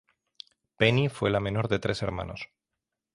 Penny fue la menor de tres hermanos.